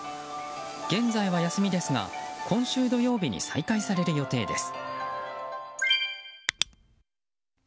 現在は休みですが今週土曜日に再開される予定です。